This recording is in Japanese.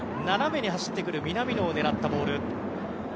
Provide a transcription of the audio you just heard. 斜めに走ってくる南野を狙ったボール。